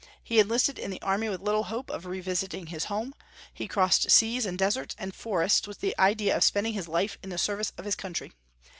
He enlisted in the army with little hope of revisiting his home; he crossed seas and deserts and forests with the idea of spending his life in the service of his country.